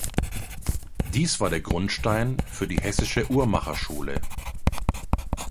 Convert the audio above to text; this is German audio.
Dies war der Grundstein für die Hessische Uhrmacherschule.